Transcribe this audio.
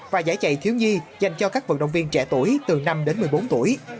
và giải chạy thiếu nhi dành cho các vận động viên trẻ tuổi từ năm đến một mươi bốn tuổi